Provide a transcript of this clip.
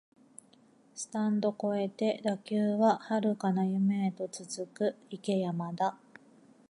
スタンド超えて打球は遥かな夢へと続く、行け山田